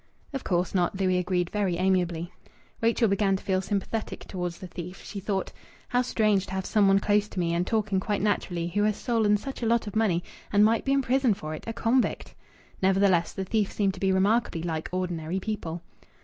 "Of course not," Louis agreed very amiably. Rachel began to feel sympathetic towards the thief. She thought: "How strange to have some one close to me, and talking quite naturally, who has stolen such a lot of money and might be in prison for it a convict!" Nevertheless, the thief seemed to be remarkably like ordinary people.